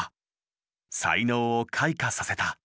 才能を開花させた。